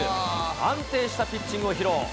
安定したピッチングを披露。